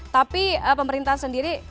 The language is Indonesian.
tapi pemerintah sendiri